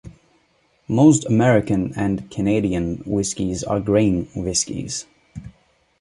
Most American and Canadian whiskies are grain whiskies.